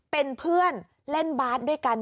เป็นเพื่อนเล่นบาสด้วยกัน